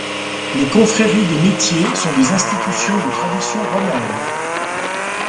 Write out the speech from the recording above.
Les confréries des métiers sont des institutions de tradition romaine.